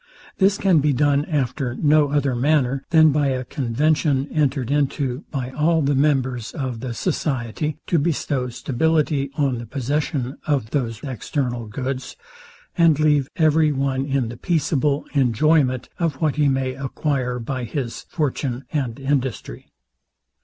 This can be done after no other manner, than by a convention entered into by all the members of the society to bestow stability on the possession of those external goods, and leave every one in the peaceable enjoyment of what he may acquire by his fortune and industry.